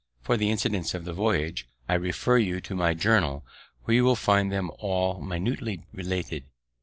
For the incidents of the voyage, I refer you to my Journal, where you will find them all minutely related.